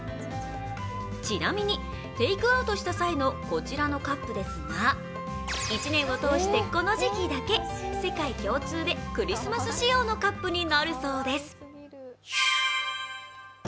ちなみにテークアウトした際のこちらのカップですが１年を通してこの時期だけ、世界共通でクリスマス仕様のカップになるそうです。